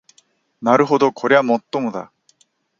なるほどこりゃもっともだ